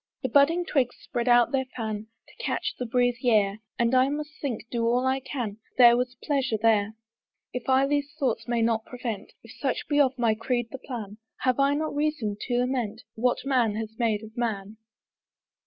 The budding twigs spread out their fan, To catch the breezy air; And I must think, do all I can, That there was pleasure there. If I these thoughts may not prevent, If such be of my creed the plan, Have I not reason to lament What man has made of man?